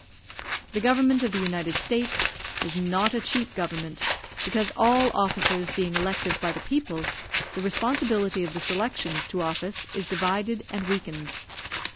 The government of the United States is not a cheap government, because all officers being elective by the people, the responsibility of the selections to office is divided and weakened.